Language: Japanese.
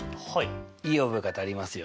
いい覚え方ありますよ。